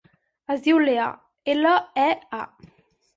Es diu Lea: ela, e, a.